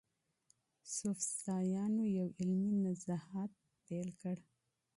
سوفسطائيانو يو علمي نهضت پيل کړ.